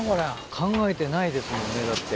考えてないですもんねだって